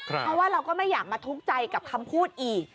เพราะว่าเราก็ไม่อยากมาทุกข์ใจกับคำพูดอีก